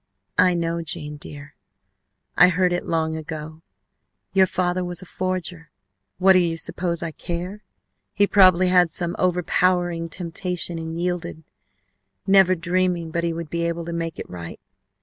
"I know, Jane, dear I heard it long ago. Your father was a forger! What do you suppose I care? He probably had some overpowering temptation and yielded, never dreaming but he would be able to make it right.